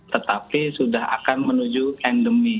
tetapi sudah akan menuju endemi